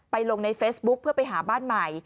ลงในเฟซบุ๊คเพื่อไปหาบ้านใหม่